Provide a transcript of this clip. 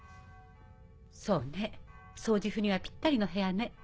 そうね掃除婦にはピッタリの部屋ね。